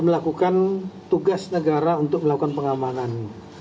melakukan tugas negara untuk melakukan pengamanan